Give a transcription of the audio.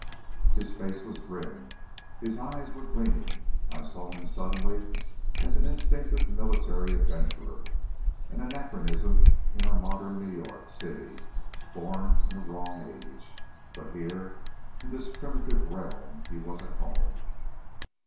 His face was grim, his eyes were gleaming. I saw him suddenly as an instinctive military adventurer. An anachronism in our modern New York City. Born in a wrong age. But here in this primitive realm he was at home.